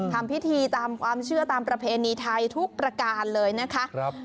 ทำพิธีตามความเชื่อตามประเพณีไทยทุกประการเลยนะคะ